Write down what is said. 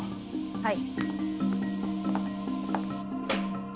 はい。